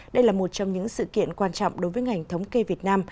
đây là một trong những sự kiện quan trọng đối với ngành thống kê việt nam